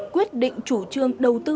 quyết định chủ trương đầu tư